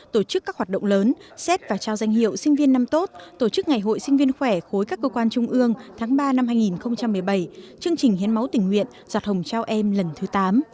tổ chức các hoạt động lớn xét và trao danh hiệu sinh viên năm tốt tổ chức ngày hội sinh viên khỏe khối các cơ quan trung ương tháng ba năm hai nghìn một mươi bảy chương trình hiến máu tình nguyện giọt hồng trao em lần thứ tám